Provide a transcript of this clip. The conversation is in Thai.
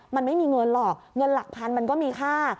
มันไม่มีเงินหรอกเงินหลักพันมันก็มีค่า